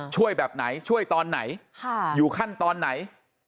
แบบไหนช่วยตอนไหนอยู่ขั้นตอนไหน